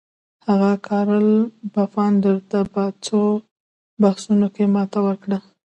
هغه کارل پفاندر ته په څو بحثونو کې ماته ورکړه.